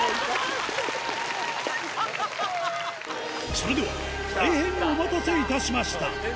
それでは大変お待たせいたしました